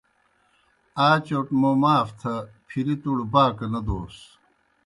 آئے چوْٹ موں معاف تھہ پھری تُوْڑ باکہ نہ دوس۔